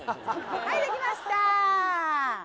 はい、出来ました。